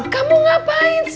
kamu ngapain sih